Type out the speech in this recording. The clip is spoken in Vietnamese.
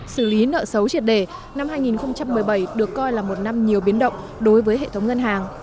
xử lý nợ xấu triệt đề năm hai nghìn một mươi bảy được coi là một năm nhiều biến động đối với hệ thống ngân hàng